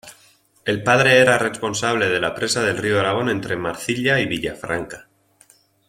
El padre era responsable de la presa del río Aragón entre Marcilla y Villafranca.